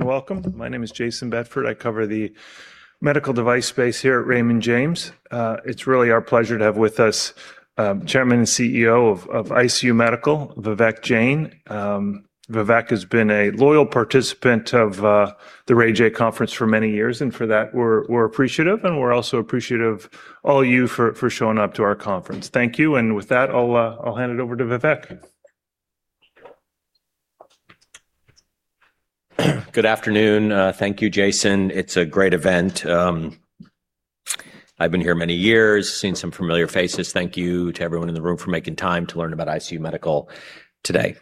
Welcome. My name is Jayson Bedford. I cover the medical device space here at Raymond James. It's really our pleasure to have with us, Chairman and CEO of ICU Medical, Vivek Jain. Vivek has been a loyal participant of the Ray J conference for many years, and for that we're appreciative, and we're also appreciative all you for showing up to our conference. Thank you. With that, I'll hand it over to Vivek. Good afternoon. Thank you, Jayson. It's a great event. I've been here many years, seen some familiar faces. Thank you to everyone in the room for making time to learn about ICU Medical today.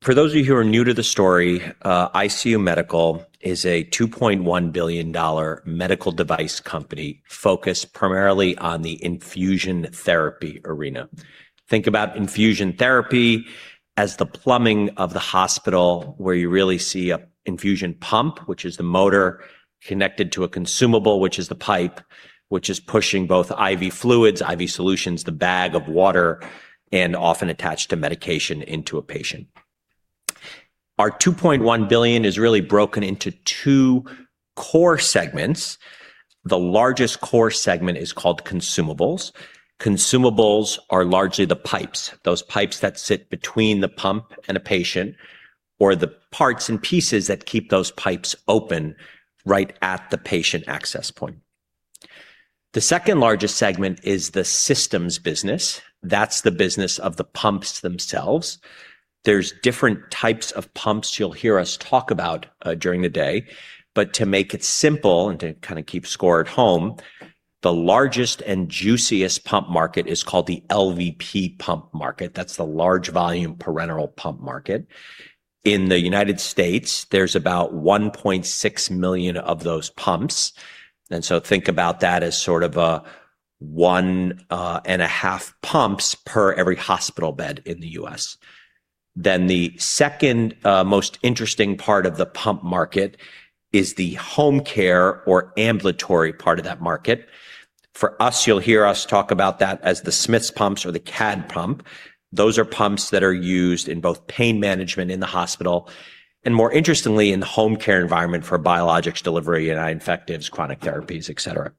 For those of you who are new to the story, ICU Medical is a $2.1 billion medical device company focused primarily on the infusion therapy arena. Think about infusion therapy as the plumbing of the hospital, where you really see a infusion pump, which is the motor connected to a consumable, which is the pipe, which is pushing both IV fluids, IV solutions, the bag of water, and often attached to medication into a patient. Our $2.1 billion is really broken into two core segments. The largest core segment is called consumables. Consumables are largely the pipes, those pipes that sit between the pump and a patient, or the parts and pieces that keep those pipes open right at the patient access point. The second largest segment is the systems business. That's the business of the pumps themselves. There's different types of pumps you'll hear us talk about during the day. To make it simple and to kinda keep score at home, the largest and juiciest pump market is called the LVP pump market. That's the Large Volumetric Parenteral pump market. In the United States, there's about 1.6 million of those pumps. Think about that as sort of a 1.5 pumps per every hospital bed in the U.S. The second most interesting part of the pump market is the home care or ambulatory part of that market. For us, you'll hear us talk about that as the Smiths pumps or the CADD pump. Those are pumps that are used in both pain management in the hospital and more interestingly, in the home care environment for biologics delivery and infectives, chronic therapies, et cetera.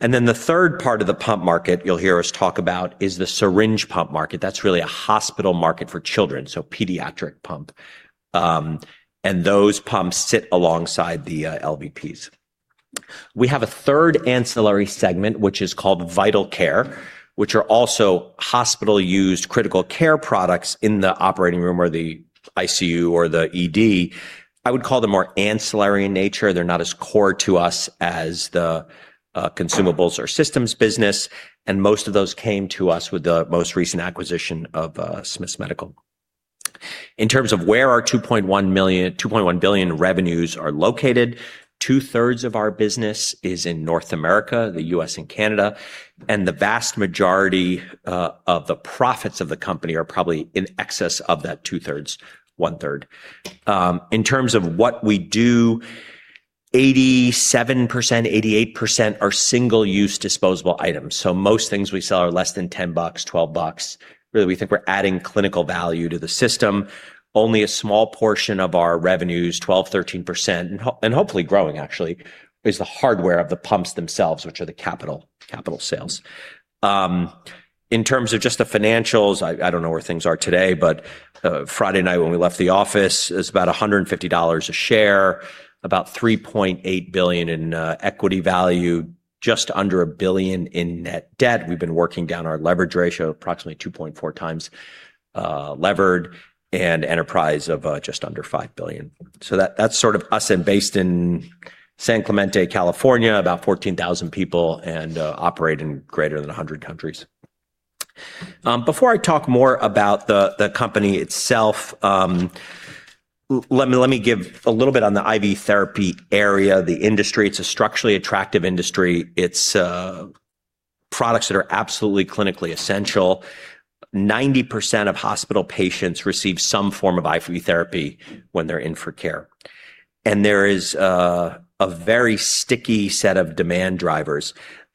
The third part of the pump market you'll hear us talk about is the syringe pump market. That's really a hospital market for children, so pediatric pump. And those pumps sit alongside the LVPs. We have a third ancillary segment, which is called Vital Care, which are also hospital-used critical care products in the operating room or the ICU or the ED. I would call them more ancillary in nature. They're not as core to us as the consumables or systems business, and most of those came to us with the most recent acquisition of Smiths Medical. In terms of where our $2.1 billion revenues are located, 2/3 of our business is in North America, the U.S. and Canada, and the vast majority of the profits of the company are probably in excess of that 2/3, 1/3. In terms of what we do, 87%, 88% are single-use disposable items. Most things we sell are less than $10, $12. Really, we think we're adding clinical value to the system. Only a small portion of our revenue is 12%, 13%, and hopefully growing actually, is the hardware of the pumps themselves, which are the capital sales. In terms of just the financials, I don't know where things are today, Friday night when we left the office, it was about $150 a share, about $3.8 billion in equity value, just under $1 billion in net debt. We've been working down our leverage ratio, approximately 2.4 times levered, and enterprise of just under $5 billion. That's sort of us. Based in San Clemente, California, about 14,000 people and operate in greater than 100 countries. Before I talk more about the company itself, let me give a little bit on the IV therapy area, the industry. It's a structurally attractive industry. It's products that are absolutely clinically essential. 90% of hospital patients receive some form of IV therapy when they're in for care. There is a very sticky set of demand drivers,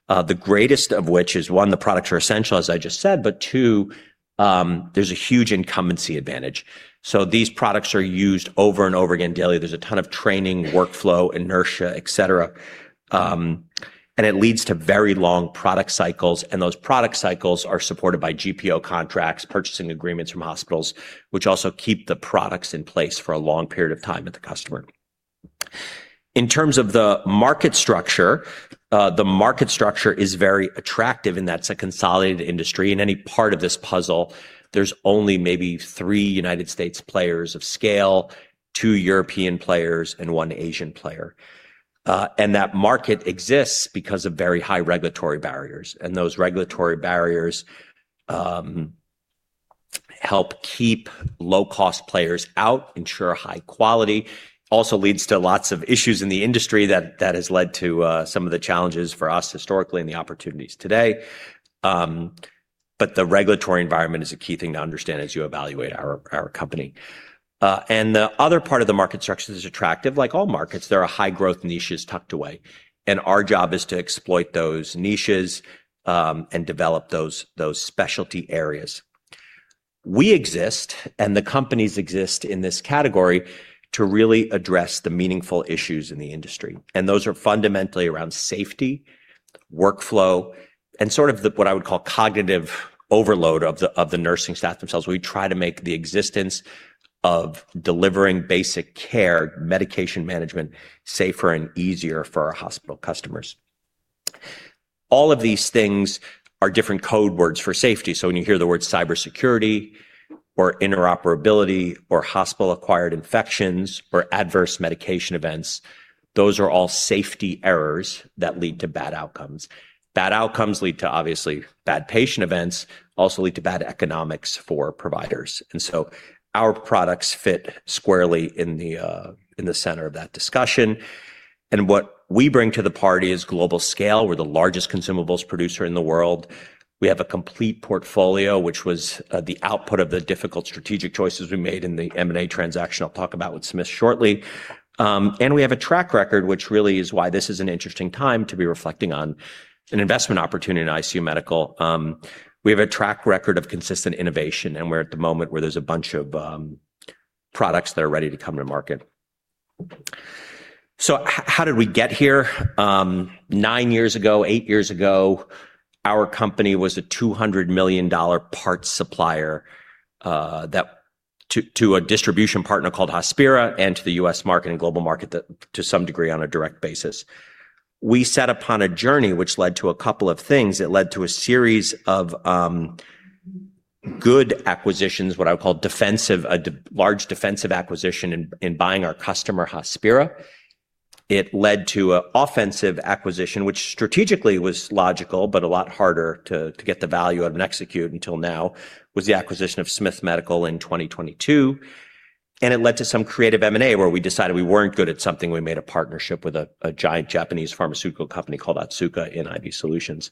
the greatest of which is, 1, the products are essential, as I just said, but 2, there's a huge incumbency advantage. These products are used over and over again daily. There's a ton of training, workflow, inertia, et cetera. It leads to very long product cycles, and those product cycles are supported by GPO contracts, purchasing agreements from hospitals, which also keep the products in place for a long period of time with the customer. In terms of the market structure, the market structure is very attractive, and that's a consolidated industry. In any part of this puzzle, there's only maybe 3 United States players of scale, 2 European players, and 1 Asian player. That market exists because of very high regulatory barriers, and those regulatory barriers help keep low-cost players out, ensure high quality. Also leads to lots of issues in the industry that has led to some of the challenges for us historically and the opportunities today. The regulatory environment is a key thing to understand as you evaluate our company. The other part of the market structure that is attractive, like all markets, there are high-growth niches tucked away, and our job is to exploit those niches and develop those specialty areas. We exist, and the companies exist in this category to really address the meaningful issues in the industry, and those are fundamentally around safety, workflow, and sort of the, what I would call cognitive overload of the nursing staff themselves. We try to make the existence of delivering basic care, medication management safer and easier for our hospital customers. All of these things are different code words for safety. When you hear the word cybersecurity or interoperability or hospital-acquired infections or adverse medication events, those are all safety errors that lead to bad outcomes. Bad outcomes lead to, obviously, bad patient events, also lead to bad economics for providers. Our products fit squarely in the in the center of that discussion. What we bring to the party is global scale. We're the largest consumables producer in the world. We have a complete portfolio, which was the output of the difficult strategic choices we made in the M&A transaction I'll talk about with Smiths shortly. We have a track record, which really is why this is an interesting time to be reflecting on an investment opportunity in ICU Medical. We have a track record of consistent innovation, we're at the moment where there's a bunch of products that are ready to come to market. How did we get here? 9 years ago, 8 years ago, our company was a $200 million parts supplier that to a distribution partner called Hospira and to the U.S. market and global market to some degree on a direct basis. We set upon a journey which led to a couple of things. It led to a series of good acquisitions, what I would call defensive, a large defensive acquisition in buying our customer, Hospira. It led to an offensive acquisition, which strategically was logical but a lot harder to get the value out and execute until now, was the acquisition of Smiths Medical in 2022. It led to some creative M&A where we decided we weren't good at something. We made a partnership with a giant Japanese pharmaceutical company called Otsuka in IV Solutions.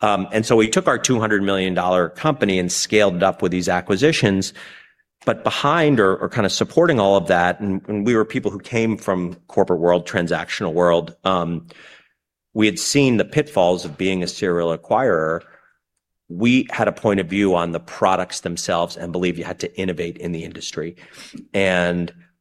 We took our $200 million company and scaled it up with these acquisitions. Behind or kind of supporting all of that, and we were people who came from corporate world, transactional world, we had seen the pitfalls of being a serial acquirer. We had a point of view on the products themselves and believe you had to innovate in the industry.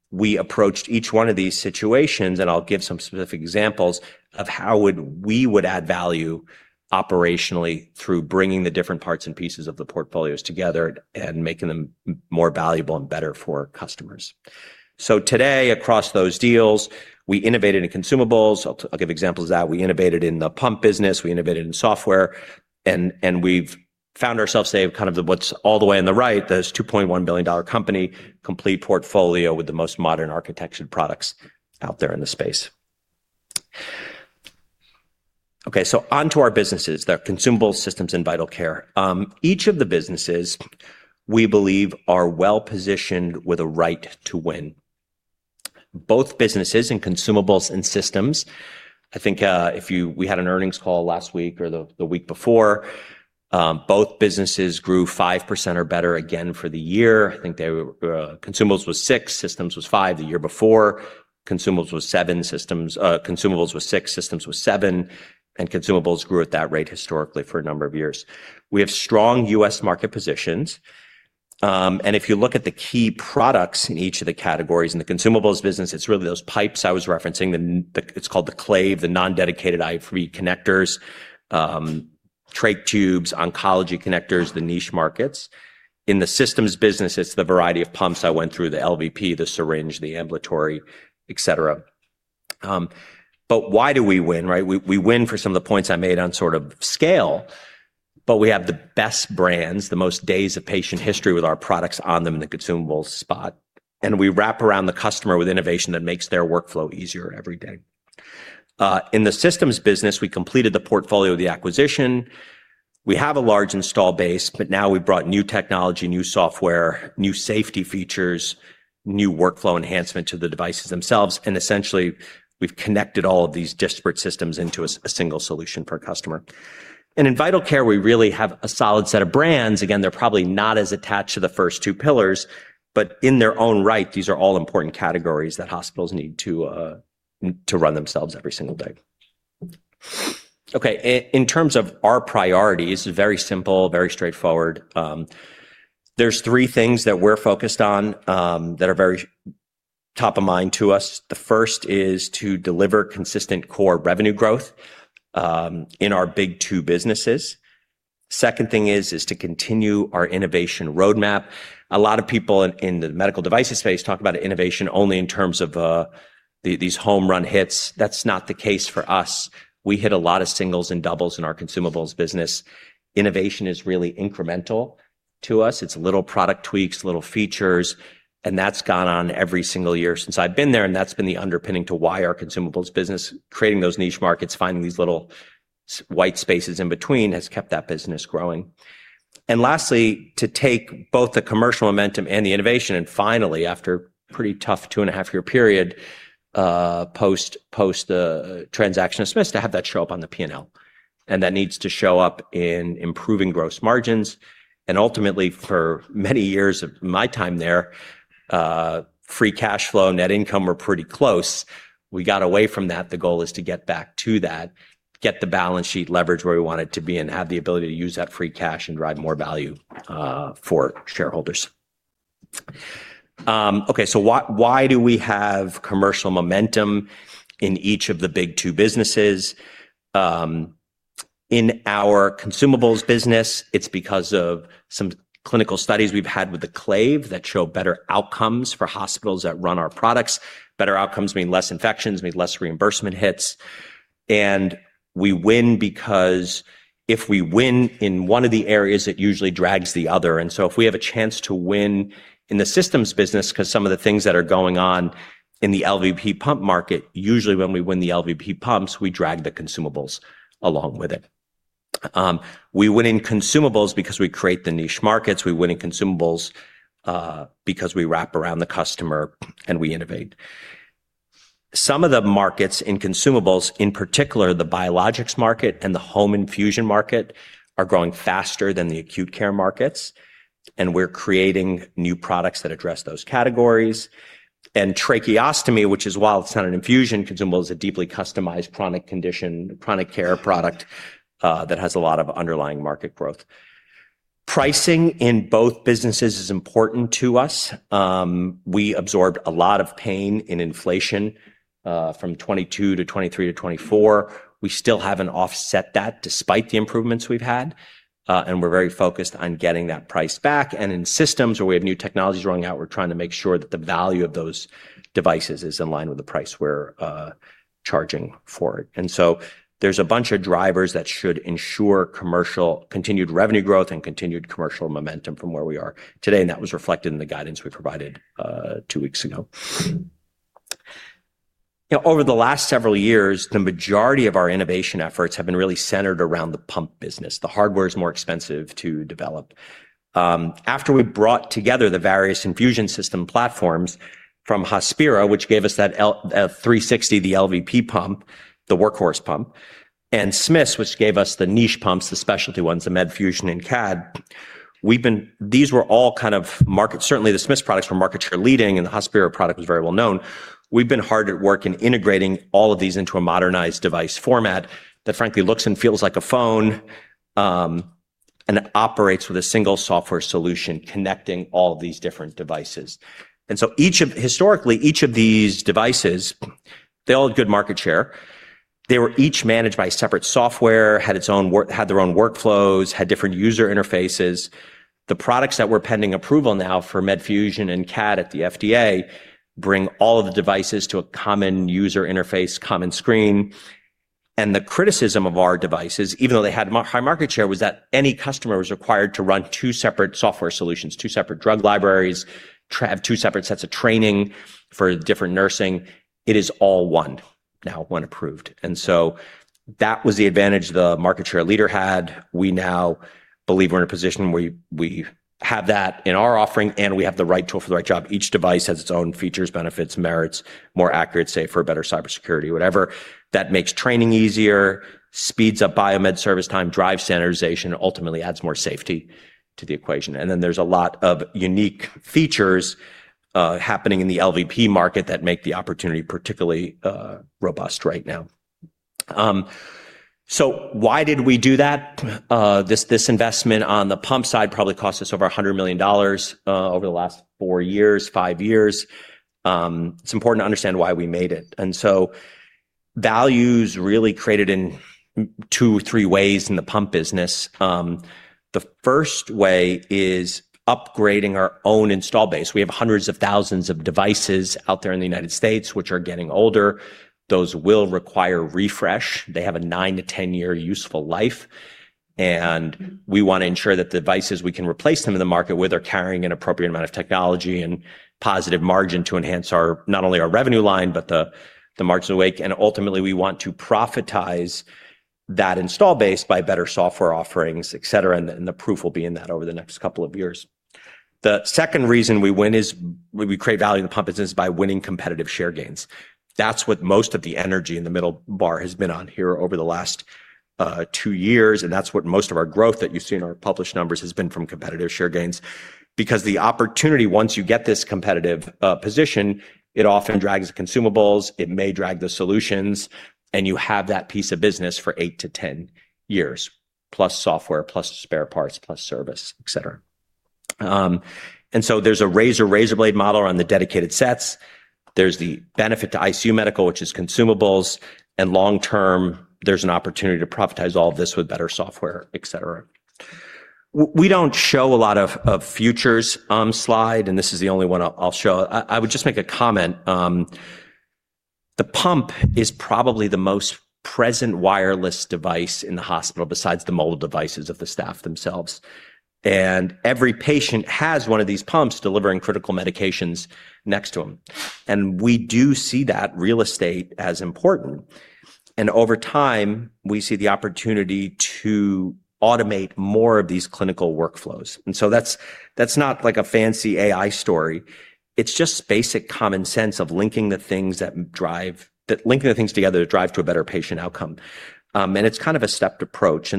We approached each one of these situations, and I'll give some specific examples of how would we would add value operationally through bringing the different parts and pieces of the portfolios together and making them more valuable and better for customers. Today, across those deals, we innovated in consumables. I'll give examples of that. We innovated in the pump business. We innovated in software. We've found ourselves today with kind of the what's all the way on the right, this $2.1 billion company, complete portfolio with the most modern architecture products out there in the space. Onto our businesses, they're consumables, systems, and Vital Care. Each of the businesses we believe are well-positioned with a right to win. Both businesses in consumables and systems, I think, we had an earnings call last week or the week before, both businesses grew 5% or better again for the year. I think consumables was 6, systems was 5. The year before, consumables was 7, consumables was 6, systems was 7, and consumables grew at that rate historically for a number of years. We have strong U.S. market positions, and if you look at the key products in each of the categories, in the consumables business, it's really those pipes I was referencing. It's called the Clave, the non-dedicated IV connectors, trach tubes, oncology connectors, the niche markets. In the systems business, it's the variety of pumps I went through, the LVP, the syringe, the ambulatory, et cetera. Why do we win, right? We win for some of the points I made on sort of scale, but we have the best brands, the most days of patient history with our products on them in the consumables spot, and we wrap around the customer with innovation that makes their workflow easier every day. In the systems business, we completed the portfolio, the acquisition. We have a large install base, but now we've brought new technology, new software, new safety features, new workflow enhancement to the devices themselves, and essentially, we've connected all of these disparate systems into a single solution per customer. In Vital Care, we really have a solid set of brands. Again, they're probably not as attached to the first two pillars, but in their own right, these are all important categories that hospitals need to run themselves every single day. Okay, in terms of our priorities, very simple, very straightforward. There's three things that we're focused on, that are very top of mind to us. The first is to deliver consistent core revenue growth, in our big two businesses. Second thing is to continue our innovation roadmap. A lot of people in the medical devices space talk about innovation only in terms of these home run hits. That's not the case for us. We hit a lot of singles and doubles in our consumables business. Innovation is really incremental to us. It's little product tweaks, little features, and that's gone on every single year since I've been there, and that's been the underpinning to why our consumables business, creating those niche markets, finding these little white spaces in between, has kept that business growing. Lastly, to take both the commercial momentum and the innovation and finally, after a pretty tough 2.5-year period, post the transaction of Smiths to have that show up on the P&L. That needs to show up in improving gross margins. Ultimately, for many years of my time there, free cash flow, net income were pretty close. We got away from that. The goal is to get back to that, get the balance sheet leverage where we want it to be, and have the ability to use that free cash and drive more value for shareholders. Why do we have commercial momentum in each of the big two businesses? In our consumables business, it's because of some clinical studies we've had with the Clave that show better outcomes for hospitals that run our products. Better outcomes mean less infections, mean less reimbursement hits. We win because if we win in one of the areas, it usually drags the other. If we have a chance to win in the systems business, because some of the things that are going on in the LVP pump market, usually when we win the LVP pumps, we drag the consumables along with it. We win in consumables because we create the niche markets. We win in consumables because we wrap around the customer and we innovate. Some of the markets in consumables, in particular the biologics market and the home infusion market, are growing faster than the acute care markets, and we're creating new products that address those categories. Tracheostomy, which is while it's not an infusion consumable, is a deeply customized chronic condition, chronic care product that has a lot of underlying market growth. Pricing in both businesses is important to us. We absorbed a lot of pain in inflation from 2020-2023-2024. We still haven't offset that despite the improvements we've had and we're very focused on getting that price back. In systems where we have new technologies rolling out, we're trying to make sure that the value of those devices is in line with the price we're charging for it. There's a bunch of drivers that should ensure continued revenue growth and continued commercial momentum from where we are today, and that was reflected in the guidance we provided two weeks ago. You know, over the last several years, the majority of our innovation efforts have been really centered around the pump business. The hardware is more expensive to develop. After we brought together the various infusion system platforms from Hospira, which gave us that Plum 360, the LVP pump, the workhorse pump, and Smiths, which gave us the niche pumps, the specialty ones, the Medfusion and CADD, these were all kind of market... Certainly, the Smiths products were market share leading, and the Hospira product was very well known. We've been hard at work in integrating all of these into a modernized device format that frankly looks and feels like a phone, and that operates with a single software solution connecting all of these different devices. Historically, each of these devices, they all had good market share. They were each managed by separate software, had their own workflows, had different user interfaces. The products that we're pending approval now for Medfusion and CADD at the FDA bring all of the devices to a common user interface, common screen. The criticism of our devices, even though they had high market share, was that any customer was required to run two separate software solutions, two separate drug libraries, two separate sets of training for different nursing. It is all one now, when approved. That was the advantage the market share leader had. We now believe we're in a position where we have that in our offering, and we have the right tool for the right job. Each device has its own features, benefits, merits, more accurate, safer, better cybersecurity, whatever. That makes training easier, speeds up biomed service time, drives standardization, ultimately adds more safety to the equation. Then there's a lot of unique features happening in the LVP market that make the opportunity particularly robust right now. Why did we do that? This investment on the pump side probably cost us over $100 million over the last four years, five years. It's important to understand why we made it. Value's really created in two, three ways in the pump business. The first way is upgrading our own install base. We have hundreds of thousands of devices out there in the United States which are getting older. Those will require refresh. They have a nine to 10-year useful life. We want to ensure that the devices we can replace them in the market with are carrying an appropriate amount of technology and positive margin to enhance our, not only our revenue line, but the margins awake. Ultimately, we want to profitize that install base by better software offerings, et cetera, and the proof will be in that over the next couple of years. The second reason we win is we create value in the pump business by winning competitive share gains. That's what most of the energy in the middle bar has been on here over the last two years, and that's what most of our growth that you see in our published numbers has been from competitive share gains. The opportunity, once you get this competitive position, it often drags the consumables, it may drag the solutions, and you have that piece of business for 8-10 years, plus software, plus spare parts, plus service, et cetera. There's a razor-razor blade model around the dedicated sets. There's the benefit to ICU Medical, which is consumables. Long term, there's an opportunity to profitize all of this with better software, et cetera. We don't show a lot of futures slide, and this is the only one I'll show. I would just make a comment. The pump is probably the most present wireless device in the hospital besides the mobile devices of the staff themselves. Every patient has one of these pumps delivering critical medications next to them. We do see that real estate as important. Over time, we see the opportunity to automate more of these clinical workflows. That's, that's not like a fancy AI story. It's just basic common sense of linking the things together to drive to a better patient outcome. It's kind of a stepped approach.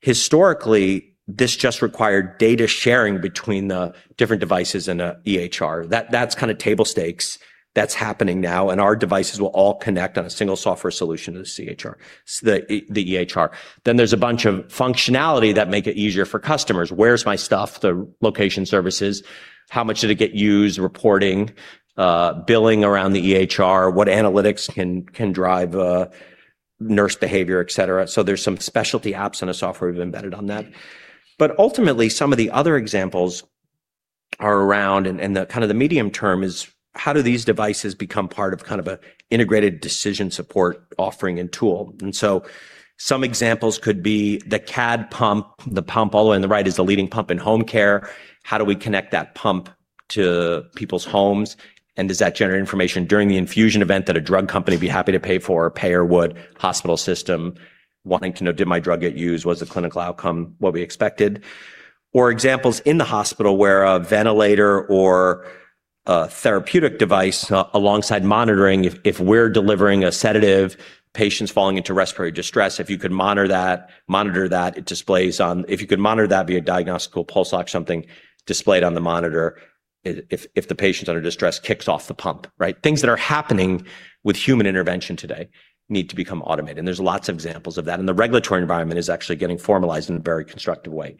Historically, this just required data sharing between the different devices in a EHR. That, that's kind of table stakes that's happening now, and our devices will all connect on a single software solution to the CHR, the EHR. There's a bunch of functionality that make it easier for customers. Where's my stuff, the location services, how much did it get used, reporting, billing around the EHR, what analytics can drive a nurse behavior, et cetera. There's some specialty apps and a software we've embedded on that. Ultimately, some of the other examples are around and the kinda the medium term is how do these devices become part of kind of a integrated decision support offering and tool? Some examples could be the CADD pump. The pump all the way on the right is the leading pump in home care. How do we connect that pump to people's homes, and does that generate information during the infusion event that a drug company would be happy to pay for, a payer would, hospital system wanting to know, did my drug get used? Was the clinical outcome what we expected? Or examples in the hospital where a ventilator or a therapeutic device, alongside monitoring if we're delivering a sedative, patient's falling into respiratory distress. If you could monitor that, it displays on. If you could monitor that via diagnostic pulse ox, something displayed on the monitor if the patient's under distress kicks off the pump, right? Things that are happening with human intervention today need to become automated, and there's lots of examples of that. The regulatory environment is actually getting formalized in a very constructive way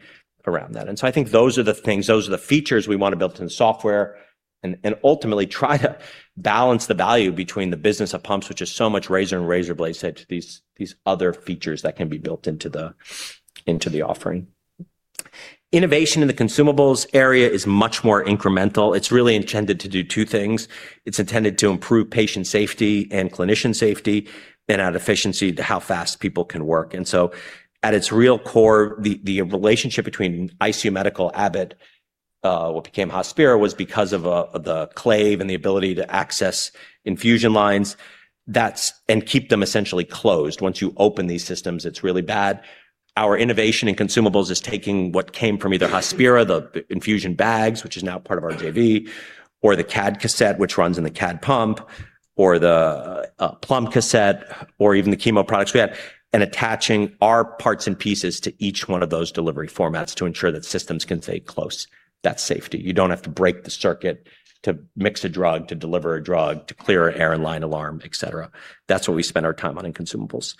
around that. I think those are the things, those are the features we wanna build in software and ultimately try to balance the value between the business of pumps, which is so much razor and razor blade set to these other features that can be built into the, into the offering. Innovation in the consumables area is much more incremental. It's really intended to do two things. It's intended to improve patient safety and clinician safety and add efficiency to how fast people can work. At its real core, the relationship between ICU Medical, Abbott, what became Hospira was because of the Clave and the ability to access infusion lines. Keep them essentially closed. Once you open these systems, it's really bad. Our innovation in consumables is taking what came from either Hospira, the infusion bags, which is now part of our JV, or the CADD cassette, which runs in the CADD pump, or the Plum cassette, or even the chemo products we had, and attaching our parts and pieces to each one of those delivery formats to ensure that systems can stay close. That's safety. You don't have to break the circuit to mix a drug, to deliver a drug, to clear an airline alarm, et cetera. That's what we spend our time on in consumables.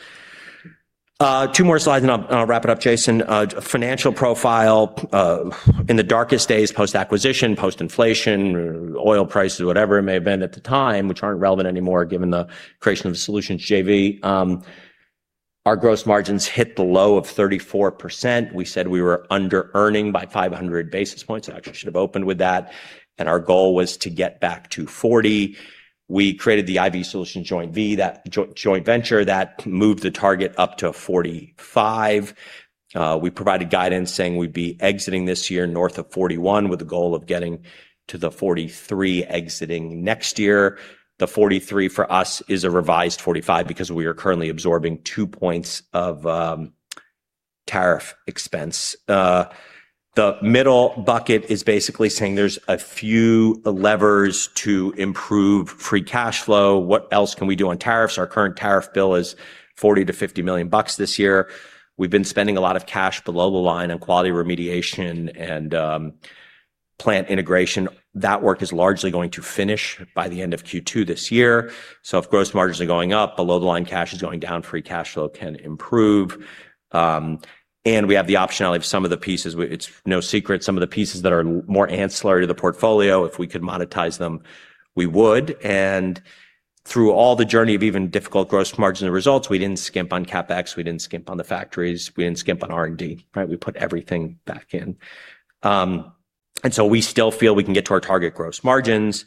2 more slides and I'll wrap it up, Jayson. Financial profile, in the darkest days, post-acquisition, post-inflation, oil prices, whatever it may have been at the time, which aren't relevant anymore given the creation of the solutions JV, our gross margins hit the low of 34%. We said we were under-earning by 500 basis points. I actually should have opened with that. Our goal was to get back to 40. We created the IV solutions joint V, that joint venture that moved the target up to 45. We provided guidance saying we'd be exiting this year north of 41 with the goal of getting to the 43 exiting next year. The 43 for us is a revised 45 because we are currently absorbing 2 points of tariff expense. The middle bucket is basically saying there's a few levers to improve free cash flow. What else can we do on tariffs? Our current tariff bill is $40 million-$50 million this year. We've been spending a lot of cash below the line on quality remediation and plant integration. That work is largely going to finish by the end of Q2 this year. If gross margins are going up, below the line cash is going down, free cash flow can improve. We have the optionality of some of the pieces. It's no secret some of the pieces that are more ancillary to the portfolio, if we could monetize them, we would. Through all the journey of even difficult gross margin results, we didn't skimp on CapEx, we didn't skimp on the factories, we didn't skimp on R&D, right? We put everything back in. We still feel we can get to our target gross margins,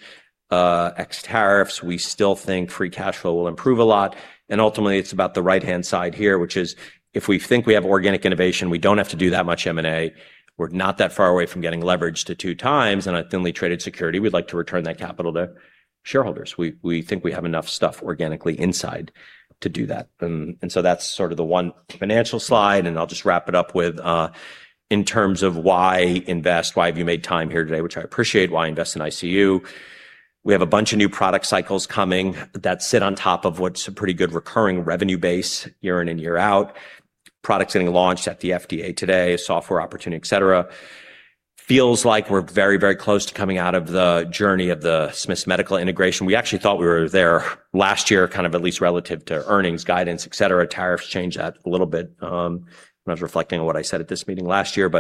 ex tariffs. We still think free cash flow will improve a lot. Ultimately, it's about the right-hand side here, which is if we think we have organic innovation, we don't have to do that much M&A. We're not that far away from getting leverage to 2 times on a thinly traded security. We'd like to return that capital to shareholders. We think we have enough stuff organically inside to do that. That's sort of the 1 financial slide, and I'll just wrap it up with in terms of why invest, why have you made time here today, which I appreciate, why invest in ICU. We have a bunch of new product cycles coming that sit on top of what's a pretty good recurring revenue base year in and year out. Products getting launched at the FDA today, software opportunity, et cetera. Feels like we're very, very close to coming out of the journey of the Smiths Medical integration. We actually thought we were there last year, kind of at least relative to earnings guidance, et cetera. Tariffs changed that a little bit, when I was reflecting on what I said at this meeting last year.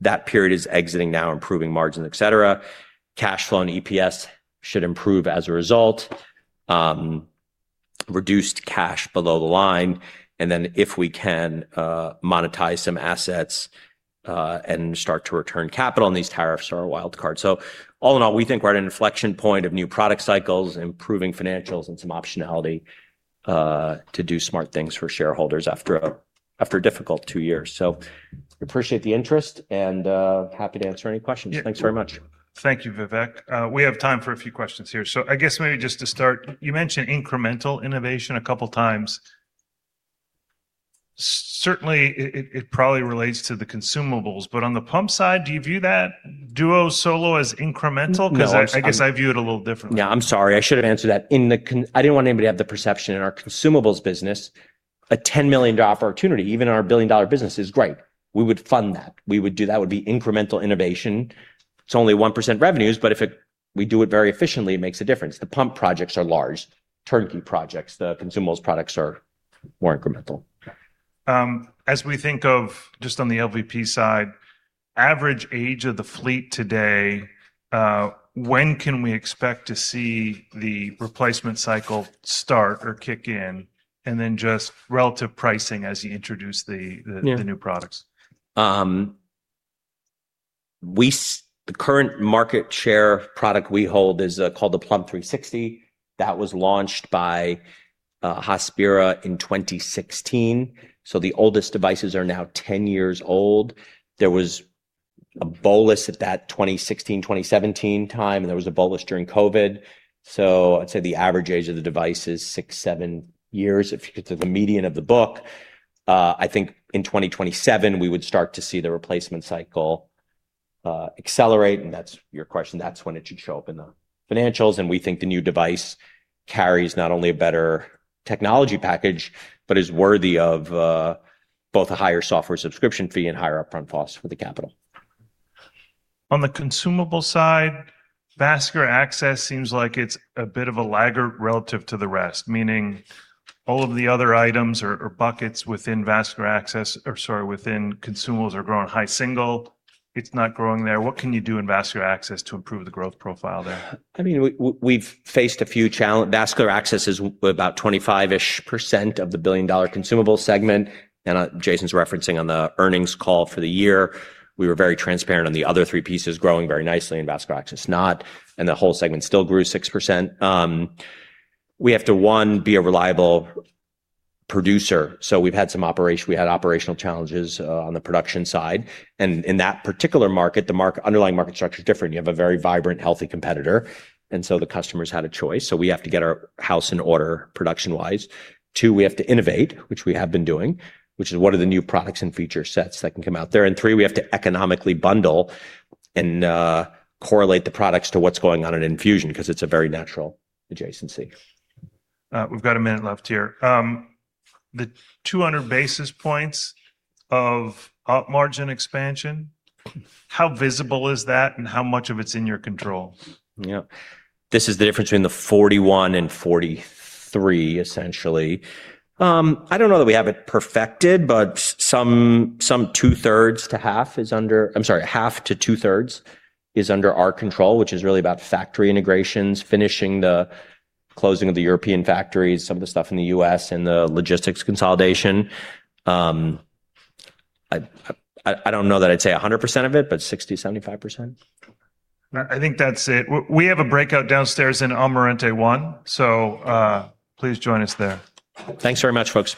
That period is exiting now, improving margins, et cetera. Cash flow and EPS should improve as a result. Reduced cash below the line, and then if we can monetize some assets, and start to return capital, and these tariffs are a wild card. All in all, we think we're at an inflection point of new product cycles, improving financials, and some optionality to do smart things for shareholders after a difficult 2 years. We appreciate the interest and happy to answer any questions. Yeah. Thanks very much. Thank you, Vivek. We have time for a few questions here. I guess maybe just to start, you mentioned incremental innovation a couple times. Certainly it probably relates to the consumables, but on the pump side, do you view that Duo Solo as incremental? No, I. Cause I guess I view it a little differently. Yeah. I'm sorry. I should have answered that. I didn't want anybody to have the perception in our consumables business, a $10 million opportunity, even in our $1 billion business, is great. We would fund that. That would be incremental innovation. It's only 1% revenues, but we do it very efficiently, it makes a difference. The pump projects are large turnkey projects. The consumables products are more incremental. As we think of just on the LVP side, average age of the fleet today, when can we expect to see the replacement cycle start or kick in? Just relative pricing as you introduce the. Yeah... the new products. The current market share product we hold is called the Plum 360. That was launched by Hospira in 2016, so the oldest devices are now 10 years old. There was a bolus at that 2016, 2017 time, and there was a bolus during COVID, so I'd say the average age of the device is 6, 7 years if you get to the median of the book. I think in 2027 we would start to see the replacement cycle accelerate, and that's your question. That's when it should show up in the financials. We think the new device carries not only a better technology package, but is worthy of both a higher software subscription fee and higher upfront costs for the capital. On the consumable side, vascular access seems like it's a bit of a lagger relative to the rest, meaning all of the other items or buckets within consumables are growing high single. It's not growing there. What can you do in vascular access to improve the growth profile there? I mean, we've faced a few challenge. Vascular access is about 25-ish% of the billion-dollar consumable segment. Jayson's referencing on the earnings call for the year, we were very transparent on the other three pieces growing very nicely and vascular access not, and the whole segment still grew 6%. We have to, one, be a reliable producer, so we've had some operational challenges on the production side. In that particular market, the underlying market structure is different. You have a very vibrant, healthy competitor, the customers had a choice. We have to get our house in order production-wise. Two, we have to innovate, which we have been doing, which is what are the new products and feature sets that can come out there? Three, we have to economically bundle and correlate the products to what's going on in infusion 'cause it's a very natural adjacency. We've got a minute left here. The 200 basis points of Op margin expansion, how visible is that and how much of it's in your control? Yeah. This is the difference between the 41 and 43, essentially. I don't know that we have it perfected, but some half to two-thirds is under our control, which is really about factory integrations, finishing the closing of the European factories, some of the stuff in the U.S., and the logistics consolidation. I don't know that I'd say 100% of it, but 60%, 75%. I think that's it. We have a breakout downstairs in Amarante 1, so please join us there. Thanks very much, folks.